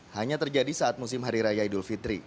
hanya terjadi saat musim hari raya idul fitri